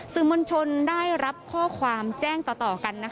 สื่อมวลชนได้รับข้อความแจ้งต่อกัน